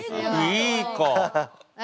いい子。